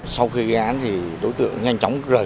sau khi gây án thì đối tượng nhanh chóng rời